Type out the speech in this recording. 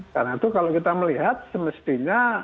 karena itu kalau kita melihat semestinya